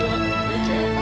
bukannya kamu sudah berubah